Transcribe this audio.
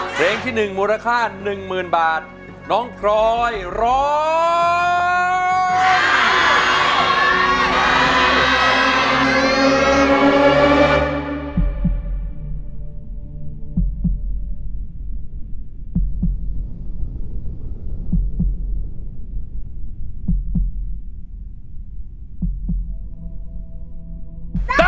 เพลงที่๑มูลค่า๑๐๐๐บาทน้องพลอยร้อง